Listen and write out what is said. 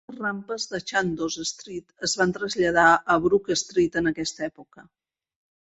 Les rampes de Chandos Street es van traslladar a Brook Street en aquesta època.